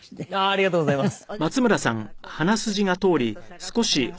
ありがとうございます。